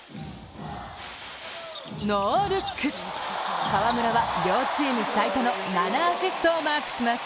ノールック、河村は両チーム最多の７アシストをマークします。